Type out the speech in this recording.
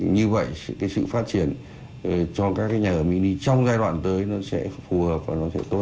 như vậy sự phát triển cho các nhà ở mini trong giai đoạn tới nó sẽ phù hợp và nó sẽ tốt hơn